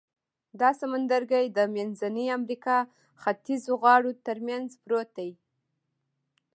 دا سمندرګي د منځنۍ امریکا ختیځو غاړو تر منځ پروت دی.